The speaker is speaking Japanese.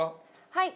はい。